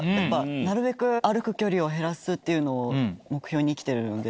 なるべく歩く距離を減らすっていうのを目標に生きてるので。